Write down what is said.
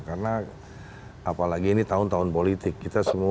karena apalagi ini tahun tahun politik